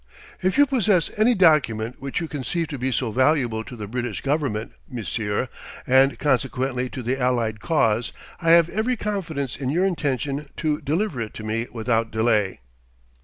"If you possess any document which you conceive to be so valuable to the British Government, monsieur, and consequently to the Allied cause, I have every confidence in your intention to deliver it to me without delay."